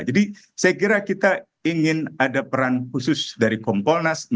jadi saya kira kita ingin ada peran khusus dari kompolnas